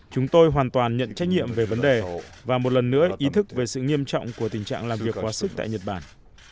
chúng tôi hoàn toàn nhận trách nhiệm về vấn đề và một lần nữa ý thức về sự nghiêm trọng của tình trạng làm việc quá sức tại nhật bản